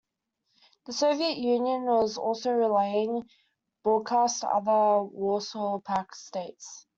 The Soviet Union was also relaying broadcasts to other Warsaw Pact states.